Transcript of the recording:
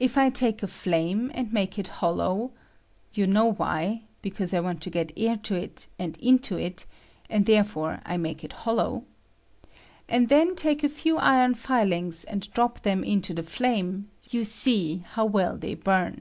If I take a flame and make it hol low — ^you know why, because I want to get air to it and into it, and therefore I make it hol low — and then take a few iron filings and drop them into the flame, you see how well they bum.